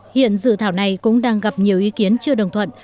hiện dự thảo này cũng đang gặp nhiều ý kiến chưa đồng thuận